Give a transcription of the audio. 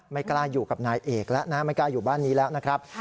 ไม่กล้าอยู่กับนายเอกแล้วนะไม่กล้าอยู่บ้านนี้แล้วนะครับ